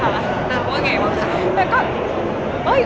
ว่าไงบ้างคะ